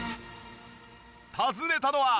訪ねたのは。